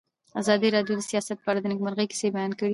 ازادي راډیو د سیاست په اړه د نېکمرغۍ کیسې بیان کړې.